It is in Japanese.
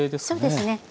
そうですね。